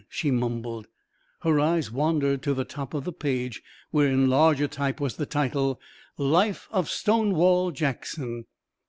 she mumbled. Her eyes wandered to the top of the page, where in larger type was the title: "Life of 'STONEWALL' JACKSON."